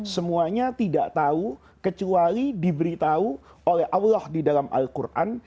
semuanya tidak tahu kecuali diberitahu oleh allah di dalam al quran